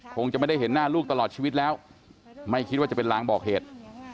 คงจะไม่ได้เห็นหน้าลูกตลอดชีวิตแล้วไม่คิดว่าจะเป็นลางบอกเหตุ